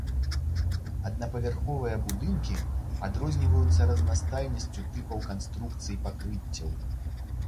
Аднапавярховыя будынкі адрозніваюцца разнастайнасцю тыпаў канструкцый пакрыццяў.